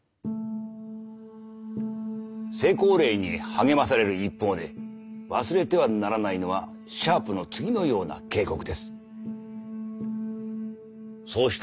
成功例に励まされる一方で忘れてはならないのはシャープの次のような警告です。